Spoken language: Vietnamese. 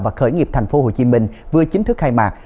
và khởi nghiệp thành phố hồ chí minh vừa chính thức khai mạc